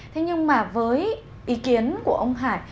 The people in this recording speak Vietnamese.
thế nhưng mà với ý kiến của ông hải